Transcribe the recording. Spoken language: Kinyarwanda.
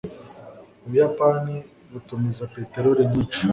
Ubuyapani butumiza peteroli nyinshi.